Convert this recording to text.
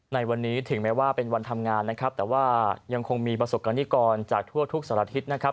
ในวันนี้ถึงแม้ว่าเป็นวันทำงานนะครับแต่ว่ายังคงมีประสบกรณิกรจากทั่วทุกสารทิศนะครับ